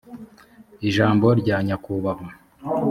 ijambo rya nyakubahwa